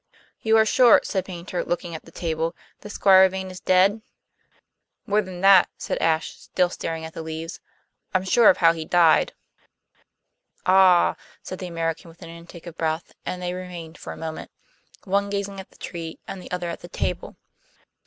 "You are sure," said Paynter, looking at the table, "that Squire Vane is dead?" "More than that," said Ashe, still staring at the leaves. "I'm sure of how he died." "Ah!" said the American, with an intake of breath, and they remained for a moment, one gazing at the tree and the other at the table.